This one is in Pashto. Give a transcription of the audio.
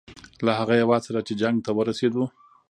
له هغه هیواد سره چې جنګ ته ورسېدو.